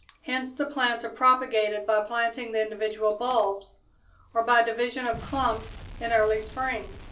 Hence the plants are propagated by planting the individual bulbs or by division of clumps in early spring.